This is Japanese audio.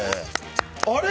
あれ？